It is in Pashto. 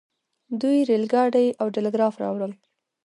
دوی ریل ګاډی او ټیلیګراف راوړل.